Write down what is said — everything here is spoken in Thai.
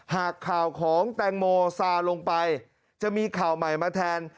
หากข่าวของแตงโมซาลงไปจะมีข่าวใหม่มาแทน